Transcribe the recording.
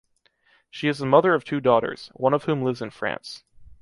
She is the mother of two daughters, one of whom lives in France.